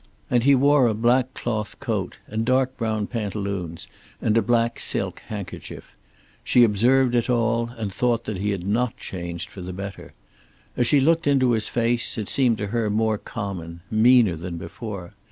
And he wore a black cloth coat, and dark brown pantaloons, and a black silk handkerchief. She observed it all, and thought that he had not changed for the better. As she looked into his face, it seemed to her more common, meaner than before.